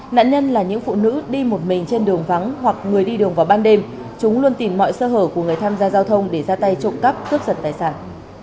nạn nhân là những phụ nữ đi một mình trên đường vắng hoặc người đi đường vào ban đêm chúng luôn tìm mọi sơ hở của người tham gia giao thông để ra tay trộm cắp cướp giật tài sản